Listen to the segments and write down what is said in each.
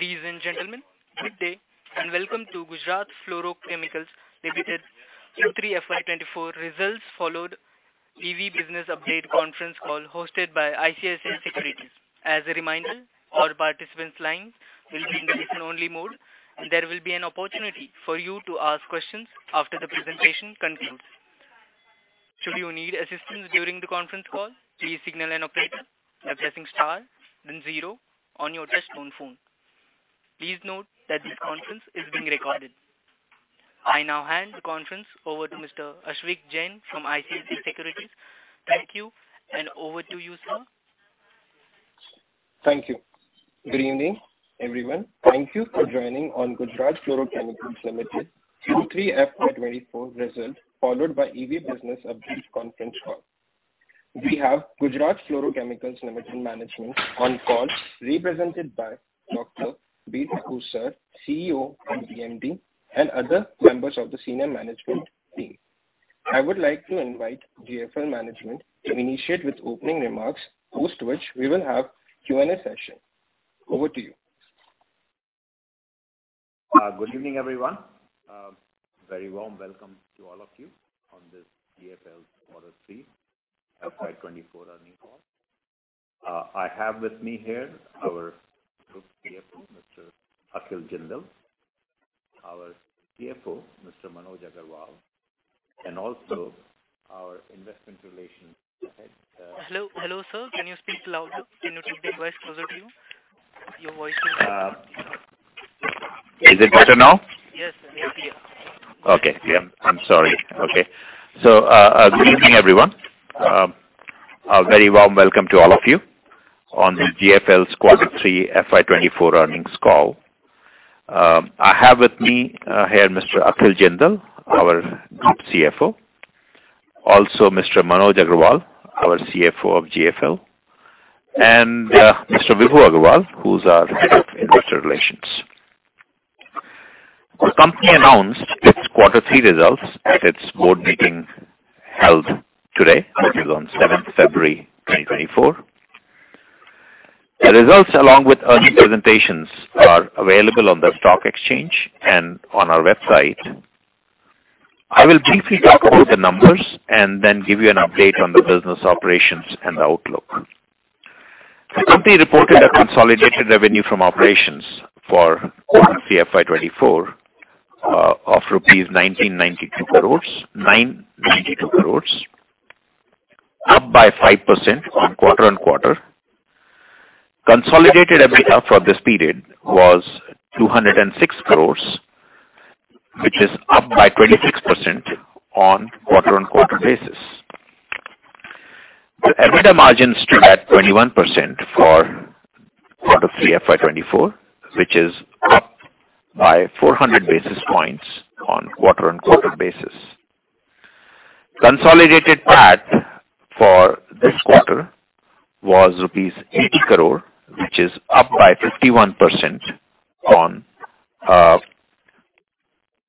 Ladies and gentlemen, good day, and welcome to Gujarat Fluorochemicals Limited Q3 FY24 results, followed EV business update conference call hosted by ICICI Securities. As a reminder, all participants' lines will be in listen-only mode, and there will be an opportunity for you to ask questions after the presentation concludes. Should you need assistance during the conference call, please signal an operator by pressing star then zero on your touchtone phone. Please note that this conference is being recorded. I now hand the conference over to Mr. Ashvik Jain from ICICI Securities. Thank you, and over to you, sir. Thank you. Good evening, everyone. Thank you for joining on Gujarat Fluorochemicals Limited Q3 FY24 result, followed by EV business update conference call. We have Gujarat Fluorochemicals Limited management on call, represented by Dr. Bir Kapoor, CEO and MD, and other members of the senior management team. I would like to invite GFL management to initiate with opening remarks, post which we will have Q&A session. Over to you. Good evening, everyone. Very warm welcome to all of you on this GFL Quarter 3 FY 2024 earnings call. I have with me here our Group CFO, Mr. Akhil Jindal, our CFO, Mr. Manoj Agrawal, and also our Investment Relations Head, Hello, hello, sir. Can you speak louder? Can you keep the device closer to you? Your voice is- Is it better now? Yes, it's clear. Good evening, everyone. A very warm welcome to all of you on the GFL Q3 FY 2024 earnings call. I have with me here Mr. Akhil Jindal, our Group CFO, also Mr. Manoj Agrawal, our CFO of GFL, and Mr. Vibhu Agarwal, who's our Director of Investor Relations. The company announced its Q3 results at its board meeting held today, which is on seventh February 2024. The results, along with earnings presentations, are available on the stock exchange and on our website. I will briefly talk about the numbers and then give you an update on the business operations and the outlook. The company reported a consolidated revenue from operations for Q3 FY 2024 of INR 1,992 crores, 992 crores, up by 5% quarter-on-quarter. Consolidated EBITDA for this period was 206 crore, which is up by 26% on quarter-over-quarter basis. The EBITDA margin stood at 21% for quarter three, FY 2024, which is up by 400 basis points on quarter-over-quarter basis. Consolidated PAT for this quarter was rupees 80 crore, which is up by 51% on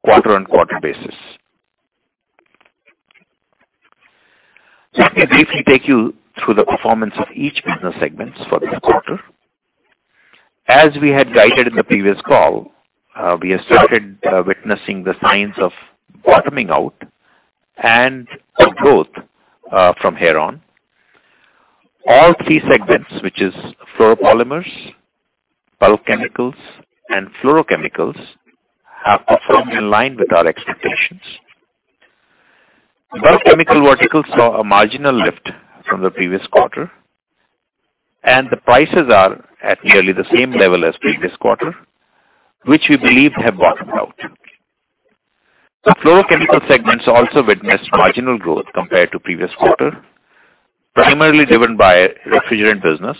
quarter-over-quarter basis. Let me briefly take you through the performance of each business segments for this quarter. As we had guided in the previous call, we have started witnessing the signs of bottoming out and growth from here on. All three segments, which is fluoropolymers, bulk chemicals, and fluorochemicals, have performed in line with our expectations. Bulk chemical verticals saw a marginal lift from the previous quarter, and the prices are at nearly the same level as previous quarter, which we believe have bottomed out. The fluorochemical segments also witnessed marginal growth compared to previous quarter, primarily driven by refrigerant business,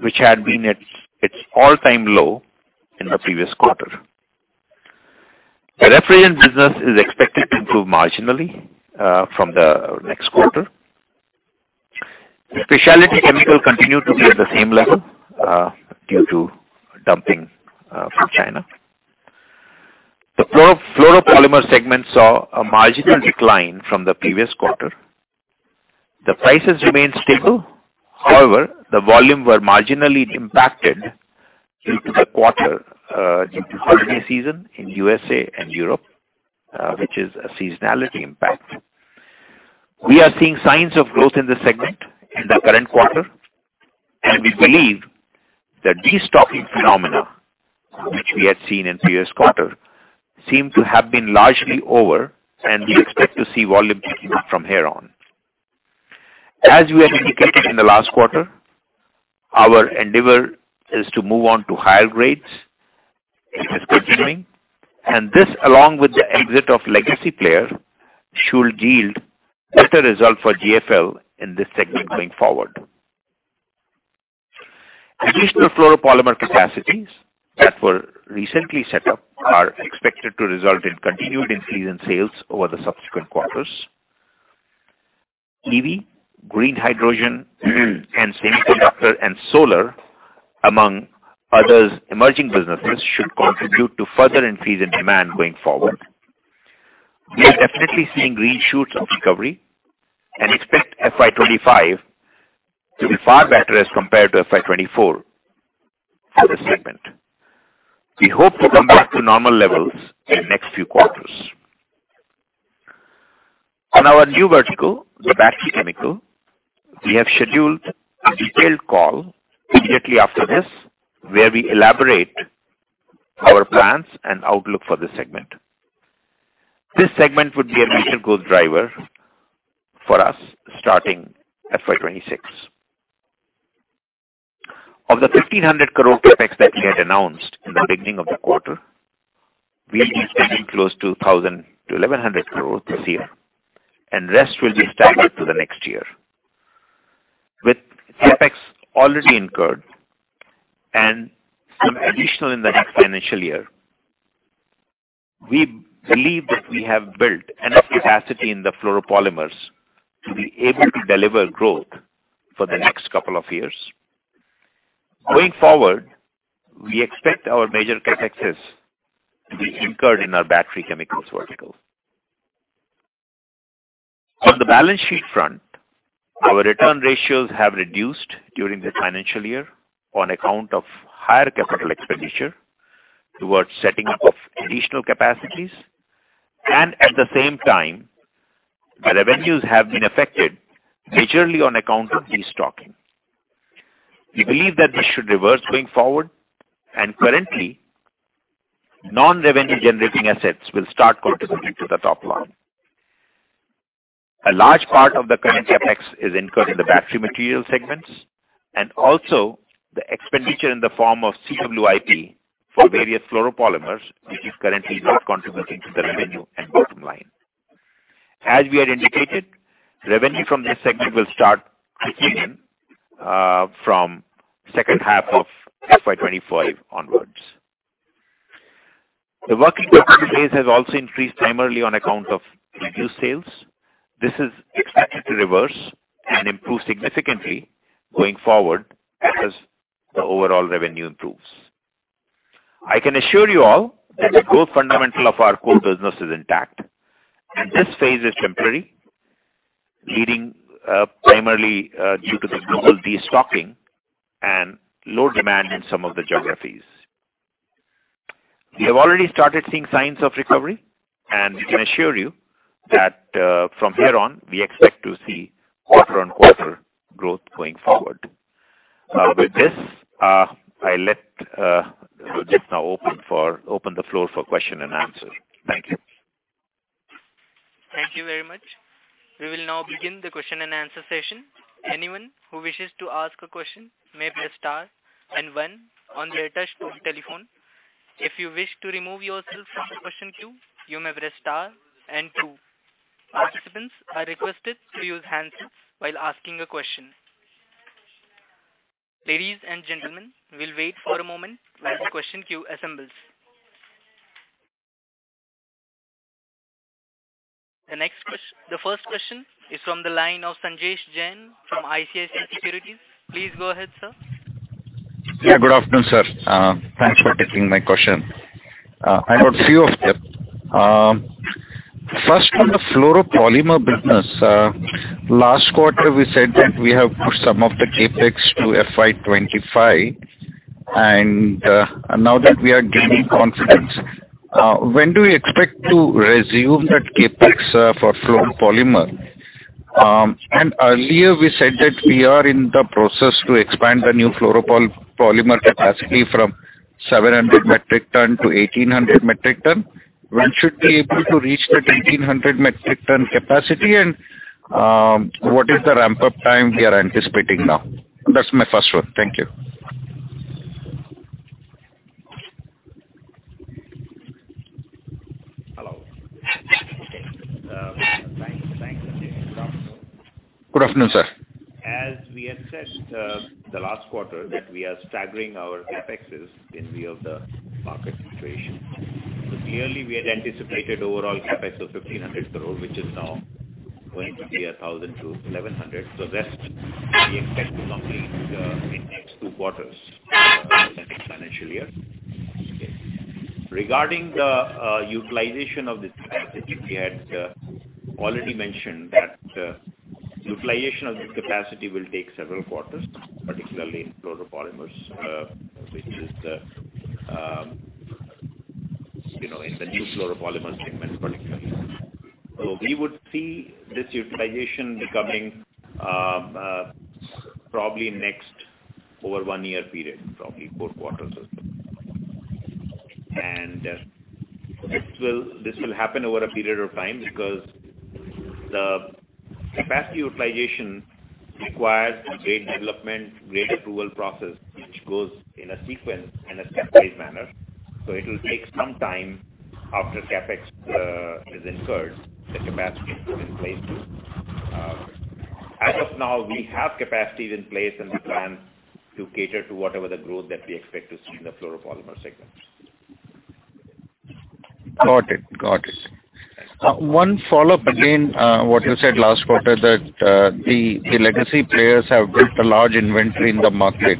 which had been at its all-time low in the previous quarter. The refrigerant business is expected to improve marginally from the next quarter. The specialty chemical continued to be at the same level due to dumping from China. The fluoropolymer segment saw a marginal decline from the previous quarter. The prices remained stable. However, the volume were marginally impacted due to the quarter due to holiday season in USA and Europe, which is a seasonality impact. We are seeing signs of growth in this segment in the current quarter, and we believe that destocking phenomena, which we had seen in previous quarter, seem to have been largely over, and we expect to see volume picking up from here on. As we had indicated in the last quarter, our endeavor is to move on to higher grades, which is continuing, and this, along with the exit of legacy player, should yield better results for GFL in this segment going forward. Additional fluoropolymer capacities that were recently set up are expected to result in continued increase in sales over the subsequent quarters. EV, green hydrogen, and semiconductor and solar, among others, emerging businesses should contribute to further increase in demand going forward.... We are definitely seeing green shoots of recovery and expect FY 2025 to be far better as compared to FY 2024 for this segment. We hope to come back to normal levels in the next few quarters. On our new vertical, the battery chemical, we have scheduled a detailed call immediately after this, where we elaborate our plans and outlook for this segment. This segment would be a major growth driver for us, starting FY 2026. Of the 1,500 crore CapEx that we had announced in the beginning of the quarter, we will be spending close to 1,000 crore-1,100 crore this year, and rest will be staggered to the next year. With CapEx already incurred and some additional in the next financial year, we believe that we have built enough capacity in the fluoropolymers to be able to deliver growth for the next couple of years. Going forward, we expect our major CapExes to be incurred in our battery chemicals vertical. On the balance sheet front, our return ratios have reduced during the financial year on account of higher capital expenditure towards setting up of additional capacities, and at the same time, the revenues have been affected majorly on account of destocking. We believe that this should reverse going forward, and currently, non-revenue generating assets will start contributing to the top line. A large part of the current CapEx is incurred in the battery material segments, and also the expenditure in the form of CWIP for various fluoropolymers, which is currently not contributing to the revenue and bottom line. As we had indicated, revenue from this segment will start to kick in from second half of FY 2025 onwards. The working capital base has also increased primarily on account of reduced sales. This is expected to reverse and improve significantly going forward as the overall revenue improves. I can assure you all that the growth fundamental of our core business is intact, and this phase is temporary, leading primarily due to the global destocking and low demand in some of the geographies. We have already started seeing signs of recovery, and we can assure you that, from here on, we expect to see quarter-on-quarter growth going forward. With this, I'll let Rohit now open for - open the floor for question and answer. Thank you. Thank you very much. We will now begin the question and answer session. Anyone who wishes to ask a question may press star and one on their touchtone telephone. If you wish to remove yourself from the question queue, you may press star and two. Participants are requested to use hands while asking a question. Ladies and gentlemen, we'll wait for a moment while the question queue assembles. The first question is from the line of Sanjesh Jain from ICICI Securities. Please go ahead, sir. Yeah, good afternoon, sir. Thanks for taking my question. I have a few of them. First, on the fluoropolymer business, last quarter, we said that we have pushed some of the CapEx to FY 25, and now that we are gaining confidence, when do you expect to resume that CapEx for fluoropolymer? And earlier we said that we are in the process to expand the new fluoropolymer capacity from 700 metric ton to 1,800 metric ton. When should we be able to reach that 1,800 metric ton capacity, and what is the ramp-up time we are anticipating now? That's my first one. Thank you. Hello. Thanks, thanks. Good afternoon. Good afternoon, sir. As we had said, the last quarter, that we are staggering our CapExes in view of the market situation. So clearly, we had anticipated overall CapEx of 1,500 crore, which is now going to be 1,000 crore-1,100 crore. So the rest we expect to complete, in next two quarters of the next financial year. Regarding the utilization of this capacity, we had already mentioned that utilization of this capacity will take several quarters, particularly in fluoropolymers, which is the, you know, in the new fluoropolymers segment, particularly. So we would see this utilization becoming, probably next over one year period, probably four quarters. And this will, this will happen over a period of time because the capacity utilization requires great development, great approval process, which goes in a sequence, in a stepwise manner. It will take some time after CapEx is incurred, the capacity is in place. As of now, we have capacities in place and the plan to cater to whatever the growth that we expect to see in the fluoropolymer segments. Got it. Got it. One follow-up again, what you said last quarter, that the legacy players have built a large inventory in the market.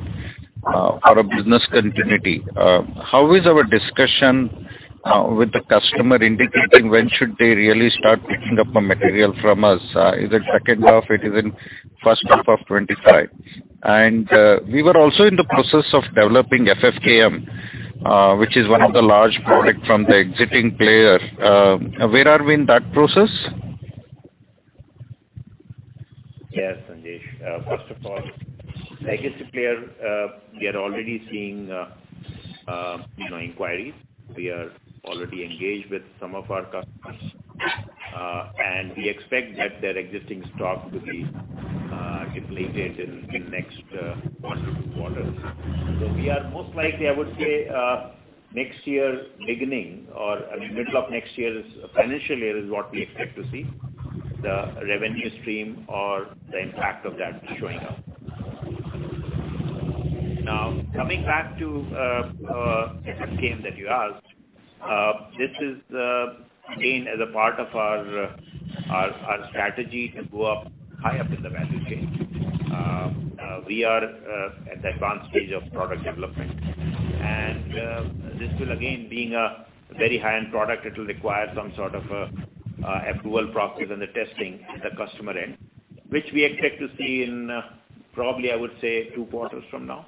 Our business continuity. How is our discussion with the customer indicating when should they really start picking up on material from us? Is it second half, or it is in first half of 2025? And we were also in the process of developing FFKM, which is one of the large product from the existing player. Where are we in that process? Yes, Sanjesh. First of all, legacy player, we are already seeing, you know, inquiries. We are already engaged with some of our customers, and we expect that their existing stock will be depleted in next, 1-2 quarters. So we are most likely, I would say, next year's beginning or, I mean, middle of next year's financial year is what we expect to see the revenue stream or the impact of that showing up. Now, coming back to, FFKM that you asked, this is, again, as a part of our strategy to go up high up in the value chain. We are at the advanced stage of product development. This will, again, being a very high-end product, it will require some sort of approval process and the testing at the customer end, which we expect to see in probably, I would say, two quarters from now.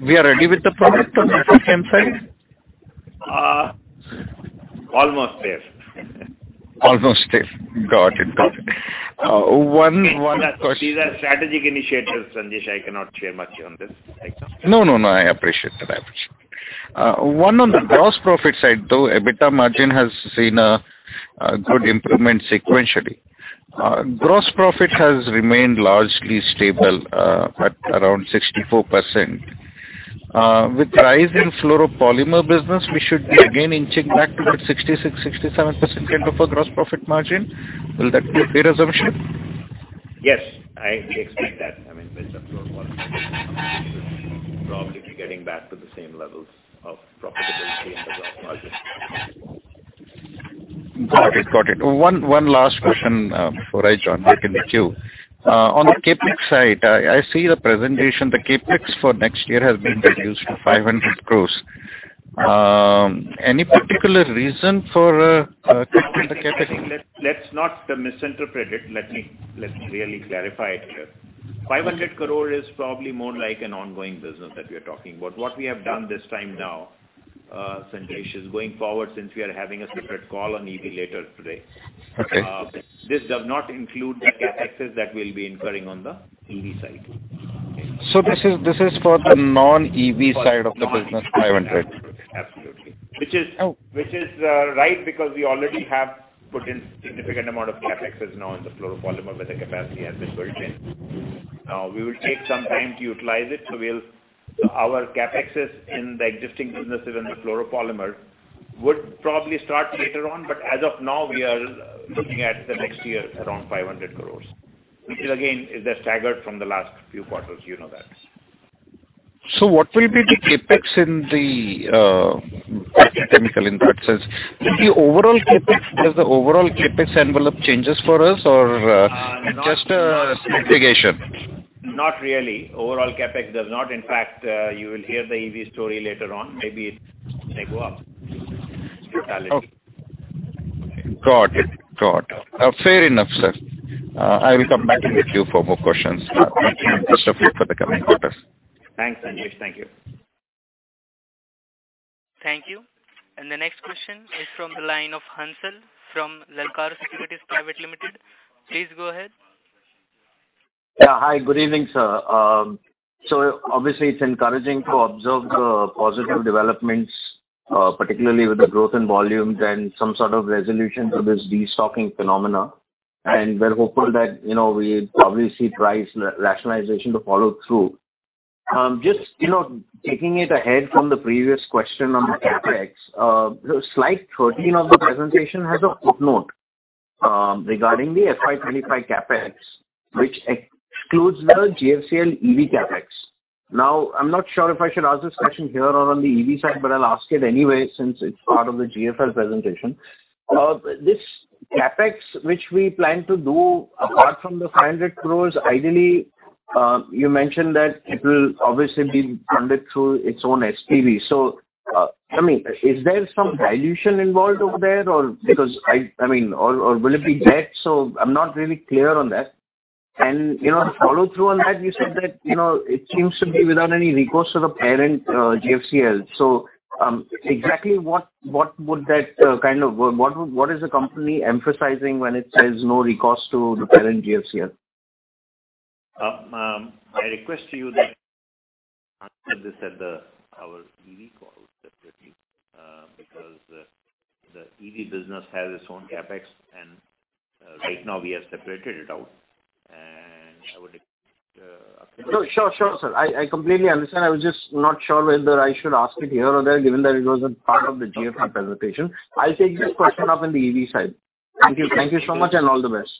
We are ready with the product on the FFKM side? Almost there. Almost there. Got it, got it. One question- These are strategic initiatives, Sanjesh. I cannot share much on this. No, no, no, I appreciate that. I appreciate. One on the gross profit side, though, EBITDA margin has seen a good improvement sequentially. Gross profit has remained largely stable, at around 64%. With the rise in fluoropolymer business, we should be again inching back to that 66%-67% kind of a gross profit margin. Will that be the assumption? Yes, I, we expect that. I mean, with the fluoropolymer, we should probably be getting back to the same levels of profitability in the gross margin. Got it. Got it. One, one last question, before I join back in the queue. On the CapEx side, I, I see the presentation, the CapEx for next year has been reduced to 500 crore. Any particular reason for, cutting the CapEx? Let's, let's not misinterpret it. Let me, let's really clarify it here. 500 crore is probably more like an ongoing business that we are talking about. What we have done this time now, Sanjesh, is going forward, since we are having a separate call on EV later today. Okay. This does not include the CapExes that we'll be incurring on the EV side. This is for the non-EV side of the business, 500. Absolutely. Which is- Oh. Which is, right, because we already have put in significant amount of CapEx now in the fluoropolymer, where the capacity has been built in. We will take some time to utilize it, so we'll... So our CapEx in the existing businesses in the fluoropolymer would probably start later on, but as of now, we are looking at the next year around 500 crore, which is, again, is a staggered from the last few quarters, you know that. So what will be the CapEx in the chemical inputs? As the overall CapEx, does the overall CapEx envelope changes for us or just mitigation? Not really. Overall CapEx does not impact. You will hear the EV story later on. Maybe it may go up in totality. Got it. Got it. Fair enough, sir. I will come back in the queue for more questions. Thank you. Best of luck for the coming quarters. Thanks, Sanjesh. Thank you. Thank you. The next question is from the line of Hansal, from Lakkar Securities Private Limited. Please go ahead. Yeah. Hi, good evening, sir. So obviously, it's encouraging to observe the positive developments, particularly with the growth in volumes and some sort of resolution to this destocking phenomena. And we're hopeful that, you know, we'd probably see price rationalization to follow through. Just, you know, taking it ahead from the previous question on the CapEx, slide 13 of the presentation has a footnote, regarding the FY 2025 CapEx, which excludes the GFCL EV CapEx. Now, I'm not sure if I should ask this question here or on the EV side, but I'll ask it anyway, since it's part of the GFL presentation. This CapEx, which we plan to do, apart from the 500 crore, ideally, you mentioned that it will obviously be funded through its own SPV. So, I mean, is there some dilution involved over there, or because I mean, or will it be debt? So I'm not really clear on that. And, you know, to follow through on that, you said that, you know, it seems to be without any recourse to the parent, GFCL. So, exactly what would that... What is the company emphasizing when it says no recourse to the parent, GFCL? I request to you that answer this at our EV call separately, because the EV business has its own CapEx, and right now we have separated it out, and I would- No, sure, sure, sir. I, I completely understand. I was just not sure whether I should ask it here or there, given that it was a part of the GFL presentation. I'll take this question up on the EV side. Thank you. Thank you so much, and all the best.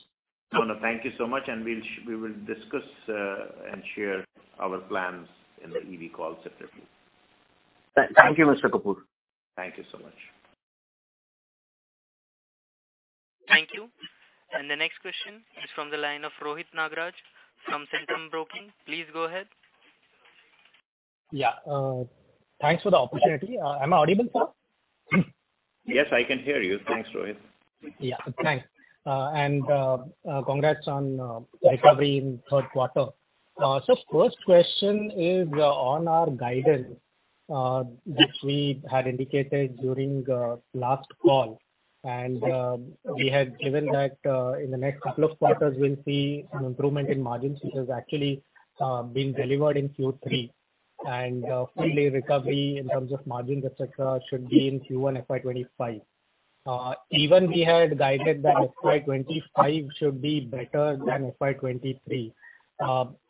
No, no, thank you so much, and we'll, we will discuss, and share our plans in the EV call separately. Thank you, Mr. Kapoor. Thank you so much. ... The next question is from the line of Rohit Nagraj from Centrum Broking. Please go ahead. Yeah, thanks for the opportunity. Am I audible, sir? Yes, I can hear you. Thanks, Rohit. Yeah, thanks. And congrats on the recovery in third quarter. So first question is on our guidance, which we had indicated during last call. And we had given that in the next couple of quarters, we'll see an improvement in margins, which has actually been delivered in Q3. And fully recovery in terms of margins, et cetera, should be in Q1 FY 2025. Even we had guided that FY 2025 should be better than FY 2023.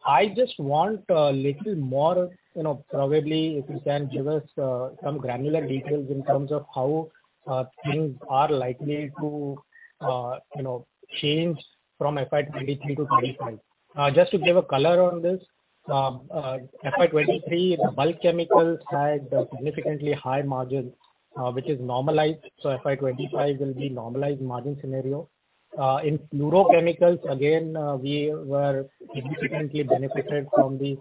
I just want a little more, you know, probably if you can give us some granular details in terms of how things are likely to, you know, change from FY 2023 to 2025. Just to give a color on this, FY 2023, the bulk chemicals had a significantly high margin, which is normalized, so FY 2025 will be normalized margin scenario. In fluorochemicals, again, we were significantly benefited from the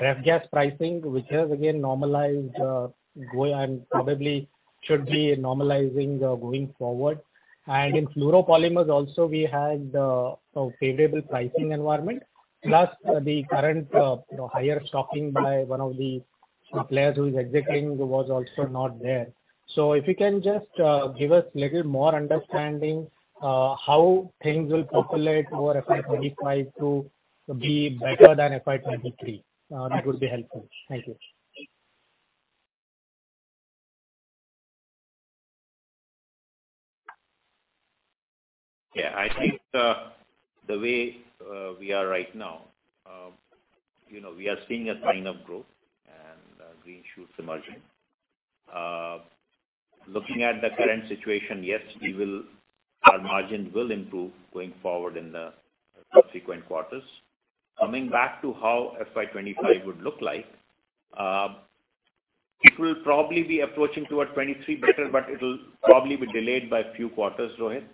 ref gas pricing, which has again normalized, and probably should be normalizing going forward. And in fluoropolymers also, we had a favorable pricing environment, plus the current, you know, higher stocking by one of the suppliers who is exiting was also not there. So if you can just give us a little more understanding, how things will populate over FY 2025 to be better than FY 2023, that would be helpful. Thank you. Yeah, I think, the way we are right now, you know, we are seeing a sign of growth and, green shoots emerging. Looking at the current situation, yes, we will—our margin will improve going forward in the subsequent quarters. Coming back to how FY 2025 would look like, it will probably be approaching toward 23 better, but it'll probably be delayed by a few quarters, Rohit.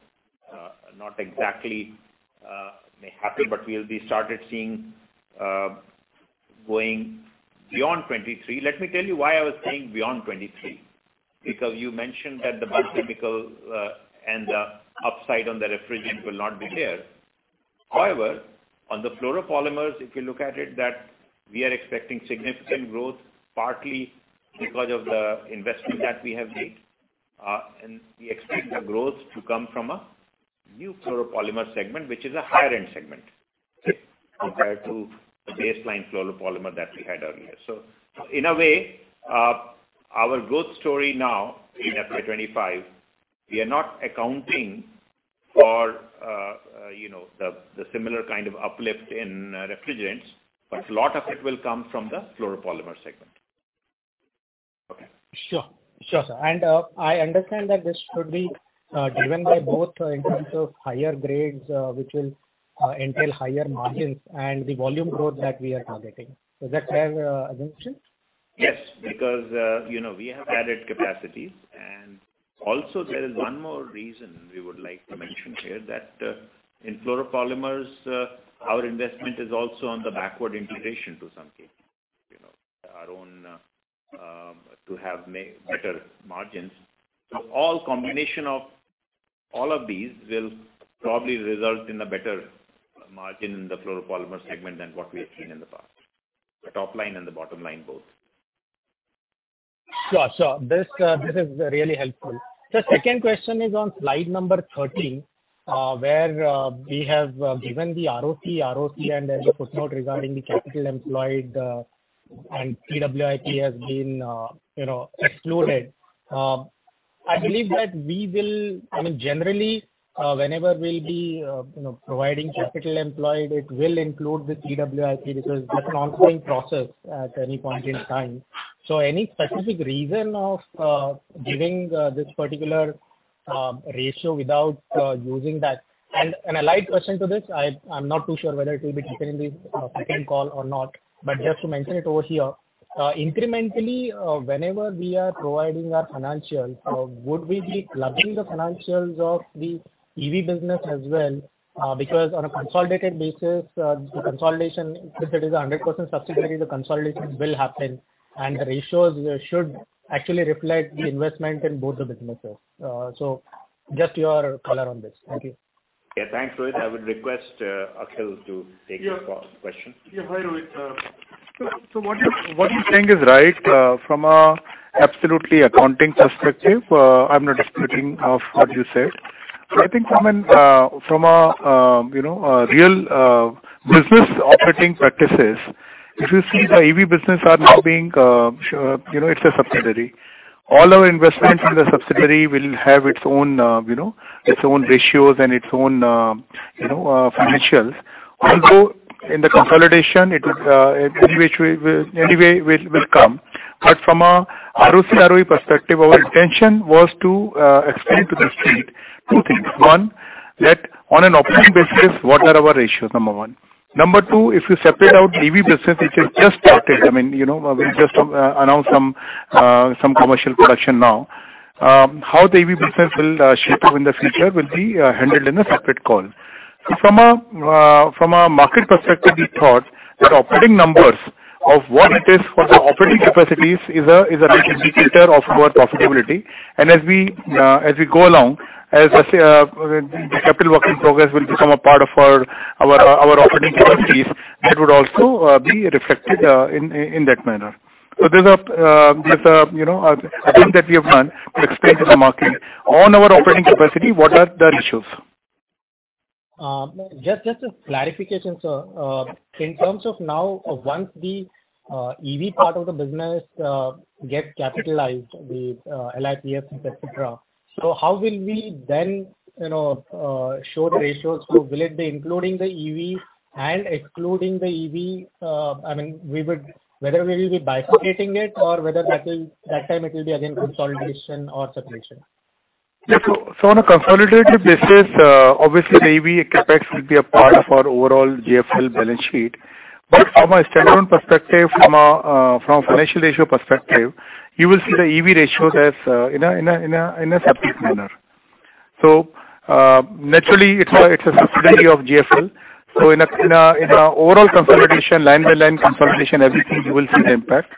Not exactly, may happen, but we will be started seeing, going beyond 23. Let me tell you why I was saying beyond 23, because you mentioned that the bulk chemical, and the upside on the refrigerant will not be there. However, on the fluoropolymers, if you look at it, that we are expecting significant growth, partly because of the investment that we have made, and we expect the growth to come from a new fluoropolymer segment, which is a higher end segment compared to the baseline fluoropolymer that we had earlier. So in a way, our growth story now in FY 2025, we are not accounting for, you know, the similar kind of uplift in, refrigerants, but a lot of it will come from the fluoropolymer segment. Okay. Sure. Sure, sir. And, I understand that this should be driven by both in terms of higher grades, which will entail higher margins and the volume growth that we are targeting. Is that correct assumption? Yes, because, you know, we have added capacities. Also there is one more reason we would like to mention here, that, in fluoropolymers, our investment is also on the backward integration to some degree, you know, our own, to have better margins. So all combination of all of these will probably result in a better margin in the fluoropolymer segment than what we have seen in the past. The top line and the bottom line both. Sure, sure. This is really helpful. The second question is on slide number 13, where we have given the RoE, ROC, and the footnote regarding the capital employed, and CWIP has been, you know, excluded. I believe that we will... I mean, generally, whenever we'll be, you know, providing capital employed, it will include the CWIP because that's an ongoing process at any point in time. So any specific reason of giving this particular ratio without using that? And a light question to this, I'm not too sure whether it will be taken in the second call or not, but just to mention it over here, incrementally, whenever we are providing our financials, would we be plugging the financials of the EV business as well? Because on a consolidated basis, the consolidation, if it is a 100% subsidiary, the consolidation will happen, and the ratios should actually reflect the investment in both the businesses. So just your color on this. Thank you. Yeah, thanks, Rohit. I would request, Akhil to take this question. Yeah. Hi, Rohit. So, what you're saying is right, from an absolutely accounting perspective, I'm not disputing what you said. I think from a, you know, real business operating practices, if you see the EV business are now being, you know, it's a subsidiary. All our investments in the subsidiary will have its own, you know, its own ratios and its own, you know, financials. Although, in the consolidation, it will, any which way, anyway will come. But from a ROC ROI perspective, our intention was to explain to the street two things: One, that on an operating basis, what are our ratios? Number one. Number two, if you separate out EV business, which has just started, I mean, you know, we just announced some commercial production now. How the EV business will shape up in the future will be handled in a separate call. So from a market perspective, we thought that operating numbers of what it is for the operating capacities is a good indicator of our profitability. And as we go along, as the capital work in progress will become a part of our operating capacities, that would also be reflected in that manner. So there's a, you know, a thing that we have done to explain to the market. On our operating capacity, what are the ratios? Just, just a clarification, sir. In terms of now, once the EV part of the business gets capitalized with LiPF6, et cetera, so how will we then, you know, show the ratios? So will it be including the EV and excluding the EV? I mean, we would—whether we will be bifurcating it or whether that will, that time it will be again consolidation or separation? Yeah. So, so on a consolidated basis, obviously the EV CapEx will be a part of our overall GFL balance sheet. But from a standalone perspective, from a financial ratio perspective, you will see the EV ratio as in a separate manner. So, naturally, it's a subsidiary of GFL. So in an overall consolidation, line by line consolidation, everything you will see the impact.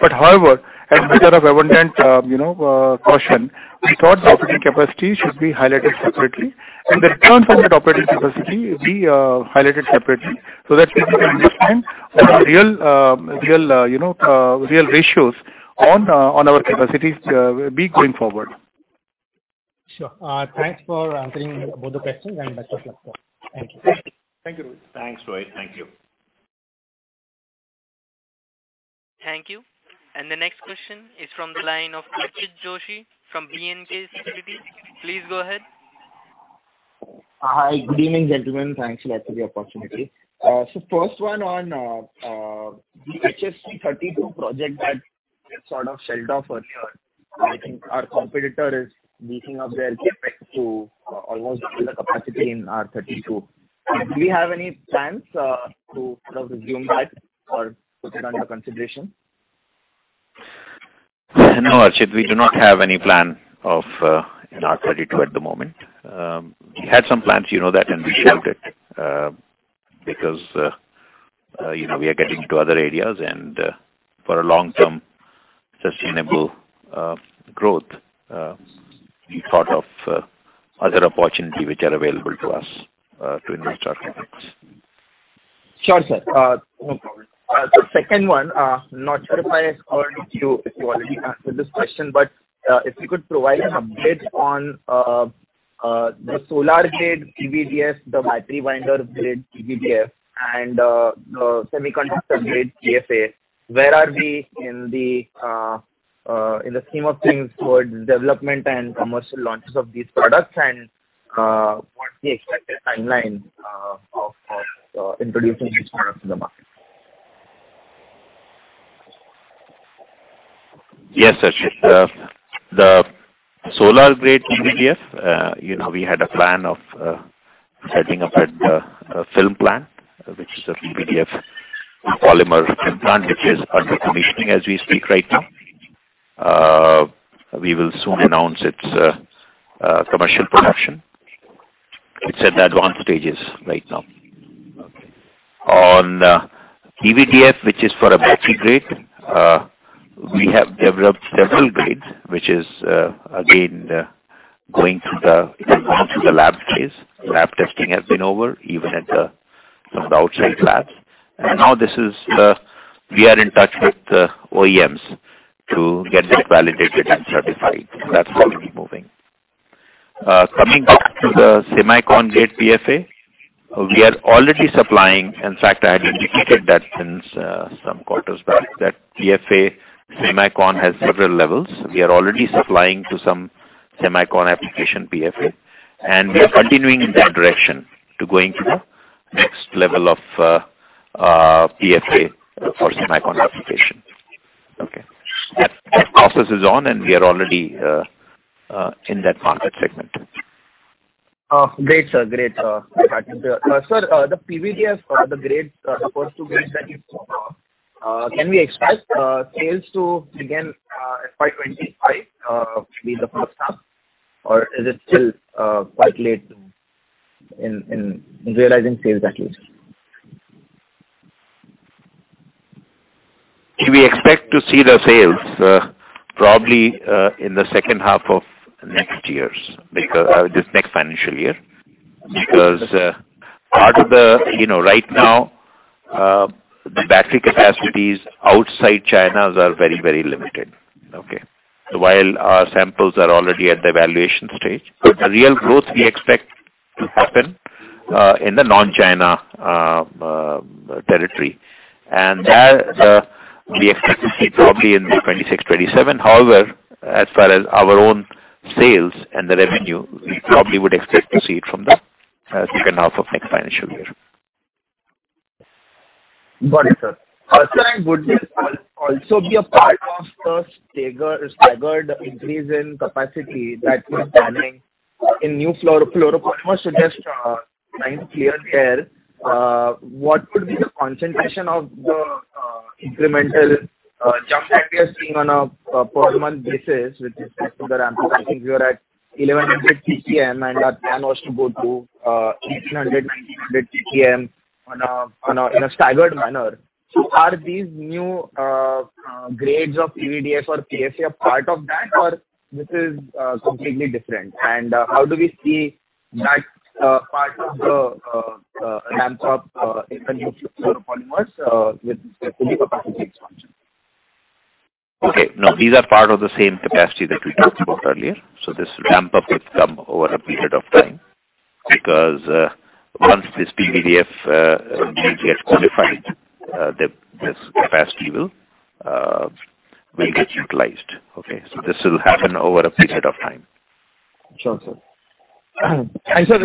But however, as a matter of abundant, you know, caution, we thought the operating capacity should be highlighted separately, and the return from that operating capacity be highlighted separately, so that people can understand what our real, real, you know, real ratios on, on our capacities, will be going forward. Sure. Thanks for answering both the questions, and best of luck, sir. Thank you. Thank you, Rohit. Thanks, Rohit. Thank you. Thank you. The next question is from the line of Archit Joshi from B&K Securities. Please go ahead. Hi. Good evening, gentlemen. Thanks a lot for the opportunity. So first one on the HFC-32 project that you sort of shelved off earlier. I think our competitor is beefing up their CapEx to almost double the capacity in R-32. Do we have any plans to sort of resume that or put it under consideration? No, Archit, we do not have any plan of in R-32 at the moment. We had some plans, you know that, and we shelved it, because, you know, we are getting into other areas, and, for a long-term sustainable, growth, we thought of, other opportunity which are available to us, to invest our CapEx. Sure, sir. No problem. The second one, not sure if I asked already to you, if you already answered this question, but, if you could provide an update on, the solar grade PVDF, the battery binder grade PVDF, and, the semiconductor grade PFA. Where are we in the, in the scheme of things towards development and commercial launches of these products? And, what's the expected timeline, of, of, introducing these products in the market? Yes, Archit. The solar grade PVDF, you know, we had a plan of setting up a film plant, which is a PVDF polymer film plant, which is under commissioning as we speak right now. We will soon announce its commercial production. It's at advanced stages right now. Okay. On PVDF, which is for a battery grade, we have developed several grades, which is again going through the lab phase. Lab testing has been over, even at some of the outside labs. And now this is, we are in touch with the OEMs to get it validated and certified. That's already moving. Coming back to the semicon grade PFA, we are already supplying. In fact, I had indicated that since some quarters back, that PFA semicon has several levels. We are already supplying to some semicon application PFA, and we are continuing in that direction to going to the next level of PFA for semicon application. Okay. That process is on, and we are already in that market segment. Oh, great, sir. Great. Sir, the PVDF, the grades, the first two grades that you spoke of, can we expect sales to begin in 2025 to be the first half, or is it still quite late in realizing sales at least? We expect to see the sales, probably, in the second half of next years, because, this next financial year. Because, part of the... You know, right now, the battery capacities outside China's are very, very limited. Okay? While our samples are already at the evaluation stage, the real growth we expect to happen, in the non-China, territory. And there, we expect to see probably in the 2026, 2027. However, as far as our own sales and the revenue, we probably would expect to see it from the, second half of next financial year. Got it, sir. Also, would this also be a part of the staggered increase in capacity that we're planning in new fluoropolymers, so just mind clear there, what would be the concentration of the incremental jump that we are seeing on a per month basis, which is the ramp I think we were at 1,100 TPM and our plan was to go to 1,800, 1,900 TPM in a staggered manner. So are these new grades of PVDF or PFA part of that, or this is completely different? And how do we see that part of the ramp up in the new fluoropolymers with the capacity expansion? Okay, no, these are part of the same capacity that we talked about earlier. So this ramp up will come over a period of time, because, once this PVDF gets qualified, this capacity will get utilized. Okay? So this will happen over a period of time. Sure, sir.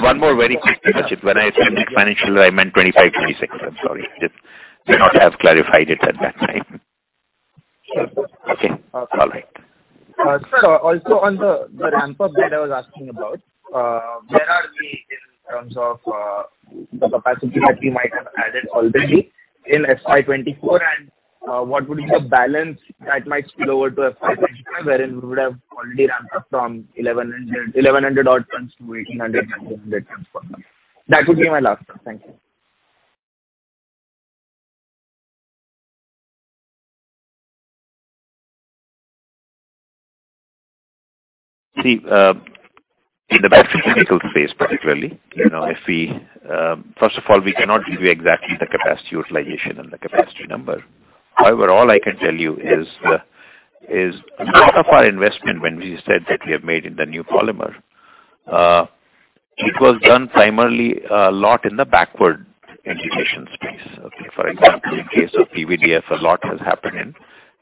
One more very quick, Archit. When I said next financial, I meant 2025, 2026. I'm sorry. Did not have clarified it at that time. Sure. Okay. All right. So also on the ramp up that I was asking about, where are we in terms of the capacity that we might have added already in FY 2024? And what would be the balance that might spill over to FY 2025, wherein we would have already ramped up from 1,100-odd tons to 1,800-1,900 tons per month. That would be my last one. Thank you. See, in the battery chemical space, particularly, you know, if we... First of all, we cannot give you exactly the capacity utilization and the capacity number. However, all I can tell you is most of our investment, when we said that we have made in the new polymer, it was done primarily, a lot in the backward integration space. Okay. For example, in case of PVDF, a lot has happened in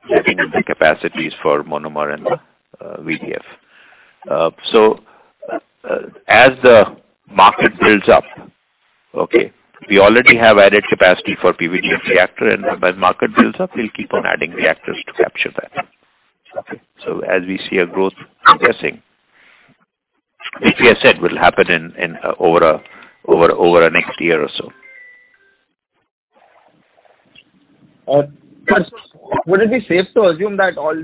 building up the capacities for monomer and VDF. So, as the market builds up, okay, we already have added capacity for PVDF reactor, and as market builds up, we'll keep on adding reactors to capture that. Okay? So as we see a growth increasing, which we have said will happen in over a next year or so. Would it be safe to assume that all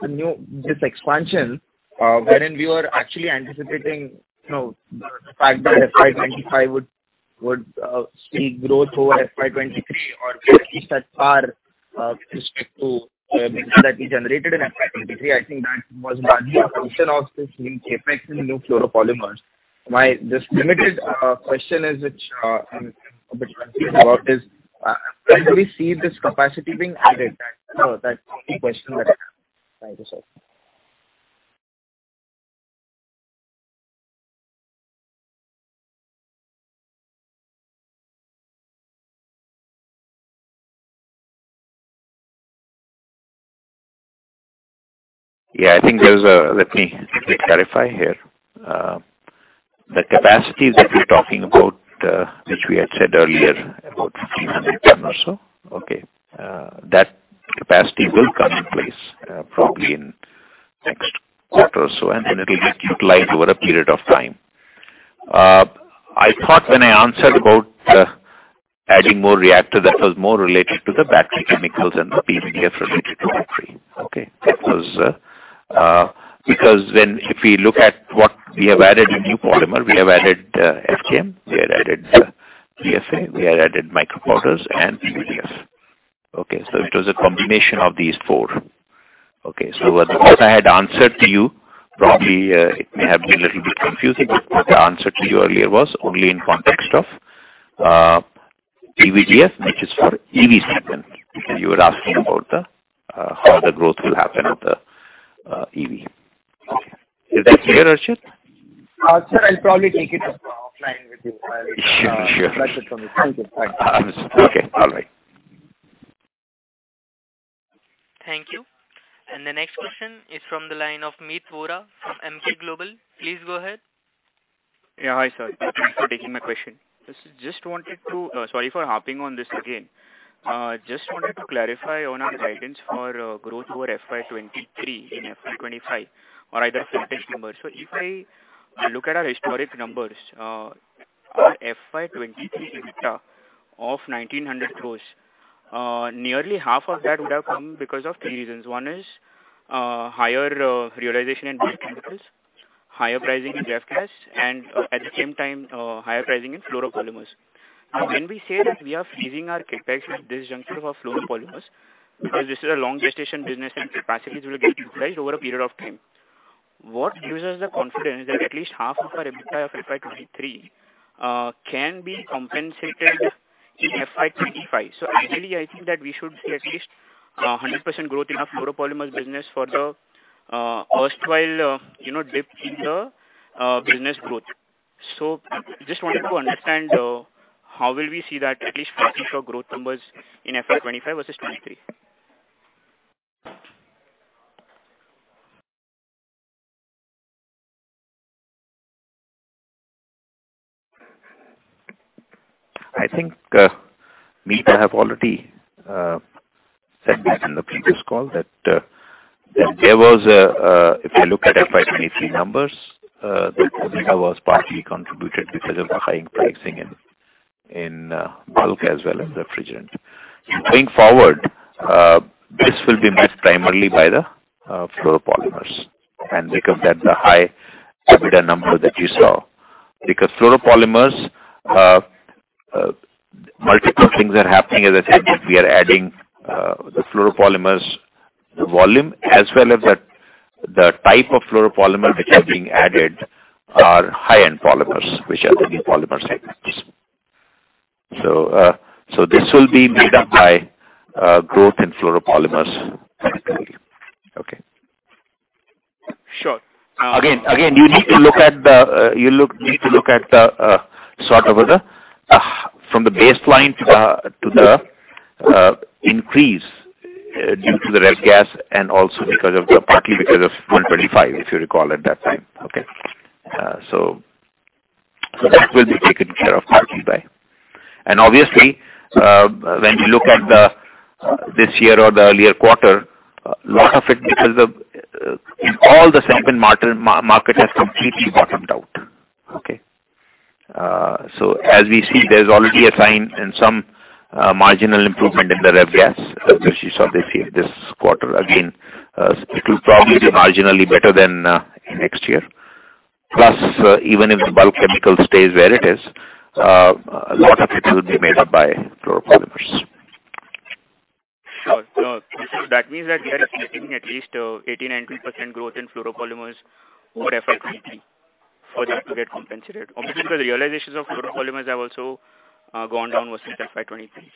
the new this expansion wherein we were actually anticipating, you know, the fact that FY 2025 would see growth over FY 2023, or at least thus far with respect to business that we generated in FY 2023? I think that was largely a function of this CapEx in the new fluoropolymers. My limited question is, which I'm a bit confused about, is when do we see this capacity being added? That's the only question that I have. Thank you, sir. Yeah, I think there's a... Let me clarify here. The capacities that we're talking about, which we had said earlier, about 1,500 tons or so, okay, that capacity will come in place, probably in next quarter or so, and then it will get utilized over a period of time. I thought when I answered about adding more reactor, that was more related to the battery chemicals and the PVDF related to it. Okay? Because, because when-- if we look at what we have added in new polymer, we have added FKM, we have added PFA, we have added micropowders and PVDF. Okay, so it was a combination of these four. Okay, so what I had answered to you, probably, it may have been a little bit confusing, but what I answered to you earlier was only in context of PVDF, which is for EV segment. So you were asking about how the growth will happen with the EV. Okay. Is that clear, Archit? Sir, I'll probably take it offline with you. Sure, sure. Thank you. Thank you. Okay. All right. Thank you. The next question is from the line of Meet Vora from Emkay Global. Please go ahead. Yeah. Hi, sir. Thank you for taking my question. Just wanted to, sorry for harping on this again. Just wanted to clarify on our guidance for, growth over FY 2023 in FY 2025, or either numbers. So if I look at our historic numbers, our FY 2023 EBITDA of 1,900 crore, nearly half of that would have come because of three reasons. One is, higher, realization in base chemicals, higher pricing in F-gas, and, at the same time, higher pricing in fluoropolymers. Now, when we say that we are freezing our CapEx at this juncture of our fluoropolymers, because this is a long gestation business and capacities will get utilized over a period of time, what gives us the confidence that at least half of our EBITDA of FY 2023, can be compensated in FY 2025? So ideally, I think that we should see at least 100% growth in our fluoropolymers business for the erstwhile, you know, dip in the business growth. So just wanted to understand how will we see that at least passing through our growth numbers in FY 2025 versus 2023? I think, Meet, I have already said that in the previous call that, There was a, if you look at FY 2023 numbers, the EBITDA was partly contributed because of the high pricing in, in, bulk as well as refrigerant. Going forward, this will be missed primarily by the, fluoropolymers, and because that the high EBITDA number that you saw. Because fluoropolymers, multiple things are happening. As I said, we are adding, the fluoropolymers, the volume as well as the, the type of fluoropolymer which are being added are high-end polymers, which are the new polymers like that. So, so this will be made up by, growth in fluoropolymers primarily. Okay. Sure. Again, you need to look at the sort of the from the baseline to the increase due to the ref gas and also because of the, partly because of 125, if you recall at that time, okay? So, that will be taken care of partly by. And obviously, when you look at this year or the earlier quarter, a lot of it because of all the segment market has completely bottomed out, okay? So as we see, there's already a sign and some marginal improvement in the ref gas, which you saw this year, this quarter. Again, it will probably be marginally better than next year. Plus, even if the bulk chemical stays where it is, a lot of it will be made up by fluoropolymers. Sure. So that means that we are expecting at least 80%-90% growth in fluoropolymers or FY 2023 for that to get compensated. Obviously, the realizations of fluoropolymers have also gone down versus the FY 2023,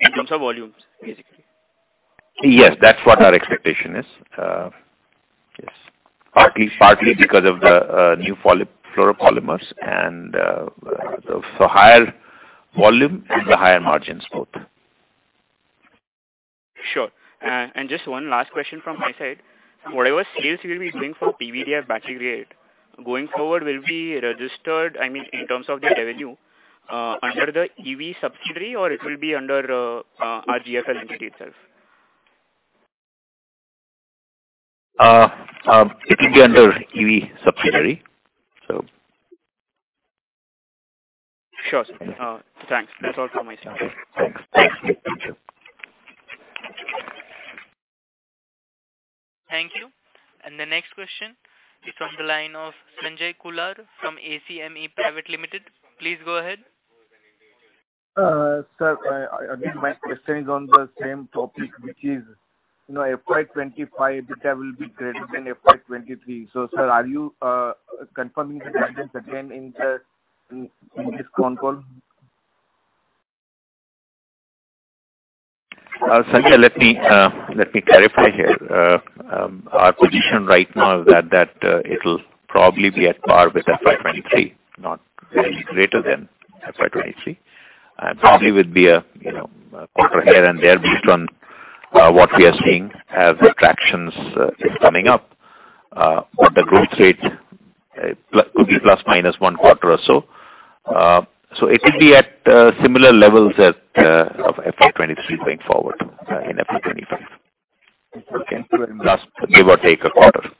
in terms of volumes, basically. Yes, that's what our expectation is. Yes, partly, partly because of the new fluoropolymers and the higher volume and the higher margins both. Sure. Just one last question from my side. Whatever sales you will be doing for PVDF battery grade, going forward, will be registered, I mean, in terms of the revenue, under the EV subsidiary, or it will be under, GFL Limited itself? It will be under EV subsidiary. So... Sure, sir. Thanks. That's all from my side. Thanks. Thank you. Thank you. The next question is from the line of Sanjay Kular from Acme Private Limited. Please go ahead. Sir, again, my question is on the same topic, which is, you know, FY 2025 EBITDA will be greater than FY 2023. So, sir, are you confirming the guidance again in this con call? Sanjay, let me clarify here. Our position right now is that it'll probably be at par with FY 2023, not greater than FY 2023. And probably would be a, you know, a quarter here and there based on what we are seeing as the traction is coming up, or the growth rate, plus, could be plus minus 1 quarter or so. So it will be at similar levels as of FY 2023 going forward, in FY 2025. Okay. Thank you very much. Plus, give or take a quarter.